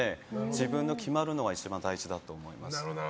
自分で決めるのが一番大事だと思います。